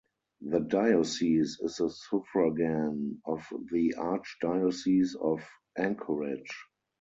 The diocese is a suffragan of the Archdiocese of Anchorage.